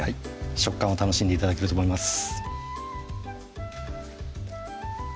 食感を楽しんで頂けると思います